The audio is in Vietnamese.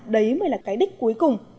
đấy mới là cái đích cuối cùng